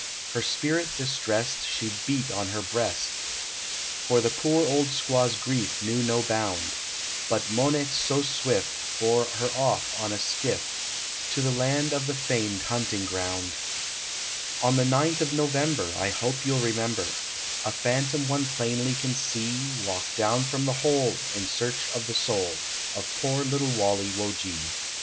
Her spirit distressed, She beat on her breast, For the poor old squaw s grief knew no bound; But Monets so swift, Bore her off in a skiff, To the land of the famed hunting ground. 178 LEGEND OF THP2 ST. JOSEPH On the ninth of November I hope you ll rememlxir, A phantom one plainly can r,ee Walk down from the hole. In search of the soul Of poor little Walle wo ge.